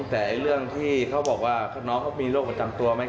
แต่เรื่องที่เขาบอกว่าน้องเขามีโรคประจำตัวไหม